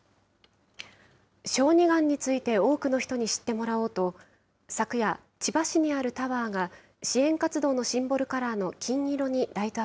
小児がんについて多くの人に知ってもらおうと、昨夜、千葉市にあるタワーが、支援活動のシンボルカラーの金色にライト３、２、１、０。